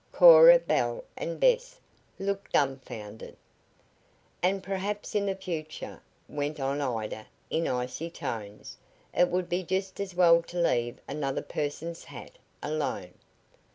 Cora, Belle and Bess looked dumfounded. "And perhaps in the future," went on Ida in icy tones, "it would be just as well to leave another person's hat alone."